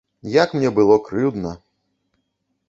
Як мне было крыўдна.